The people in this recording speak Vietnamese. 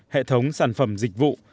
hệ thống sản phẩm dịch vụ